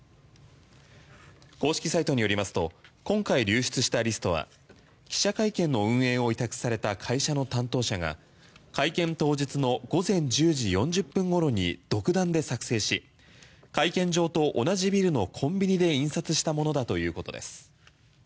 公式サイトによりますと今回流出したリストは記者会見の運営を委託された会社の担当者が会見当日の午前１０時４０分ごろに独断で作成し会見場と同じビルのコンビニで印刷したものだということです。